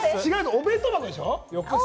お弁当箱でしょ？